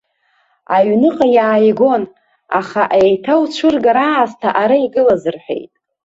Аҩныҟа иааигон, аха еиҭауцәыргар аасҭа ара игылаз рҳәеит.